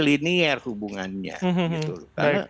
linear hubungannya gitu